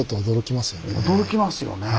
驚きますよね。